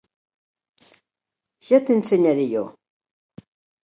Ja t'ensenyaré jo!